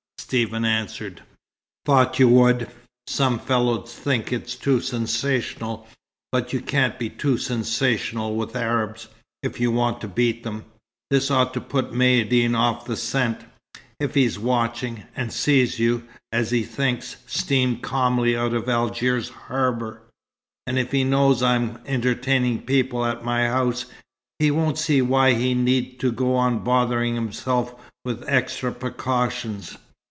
'" Stephen answered. "Thought you would. Some fellows'd think it too sensational; but you can't be too sensational with Arabs, if you want to beat 'em. This ought to put Maïeddine off the scent. If he's watching, and sees you as he thinks steam calmly out of Algiers harbour, and if he knows I'm entertaining people at my house, he won't see why he need go on bothering himself with extra precautions."